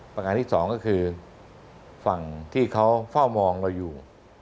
ประการที่สองก็คือฝั่งที่เขาเฝ้ามองเราอยู่